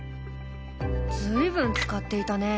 随分使っていたね。